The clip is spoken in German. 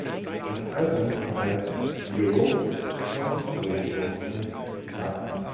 Das Album verhalf Europe zum Durchbruch in Japan.